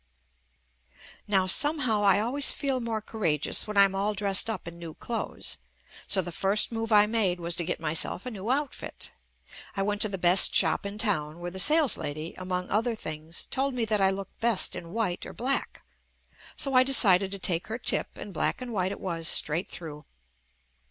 Now somehow I always feel more cour ageous when I am all dressed up in new clothes, so the first move I made was to get myself a new outfit. I went to the best shop in town where the saleslady, among other things, told me that I looked best in white or black, so I de cided to take her tip and black and white it was straight through.